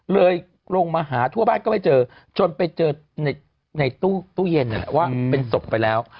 ลงมาหาทั่วบ้านก็ไม่เจอจนไปเจอในตู้เย็นว่าเป็นศพไปแล้ว